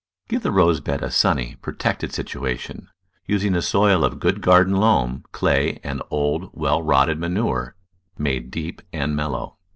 Give the rose bed a sunny, protected situation, using a soil of good garden loam, clay, and old, well rotted manure, made deep and mellow.